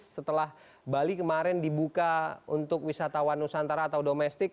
setelah bali kemarin dibuka untuk wisatawan nusantara atau domestik